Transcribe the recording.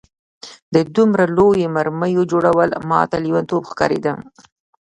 د دومره لویو مرمیو جوړول ماته لېونتوب ښکارېده